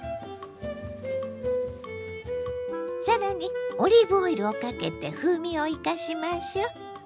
さらにオリーブオイルをかけて風味を生かしましょ。